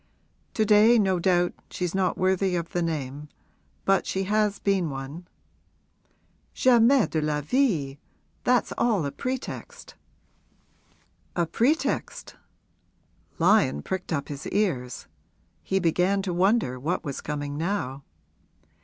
'To day, no doubt, she's not worthy of the name; but she has been one.' 'Jamais de la vie! That's all a pretext.' 'A pretext?' Lyon pricked up his ears he began to wonder what was coming now.